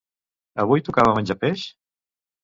Avui tocava menjar peix?